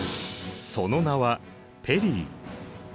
その名はペリー。